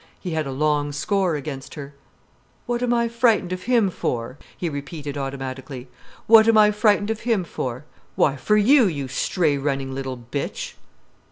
He had a long score against her. "What am I frightened of him for?" he repeated automatically. "What am I frightened of him for? Why, for you, you stray running little bitch."